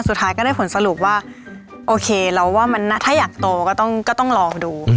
สุดท้ายก็ได้ผลสรุปว่าโอเคเราว่าถ้าอยากโตก็ต้องรอดู